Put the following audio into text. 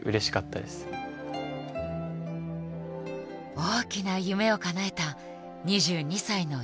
大きな夢をかなえた２２歳の雄斗。